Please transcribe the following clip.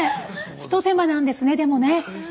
ひと手間なんですねでもね。